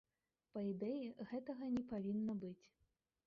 Па ідэі, гэтага не павінна быць.